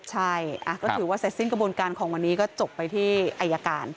ใช่ก็ถือว่าเสร็จสิ้นกระบวนการของวันนี้ก็จบไปที่อายการ